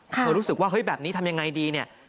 เธอรู้สึกว่าแบบนี้ทำอย่างไรดี